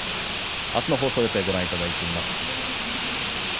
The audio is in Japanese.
明日の放送予定をご覧いただいています。